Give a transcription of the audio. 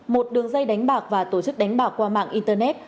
một đường dây đánh bạc và tổ chức đánh bạc qua mạng internet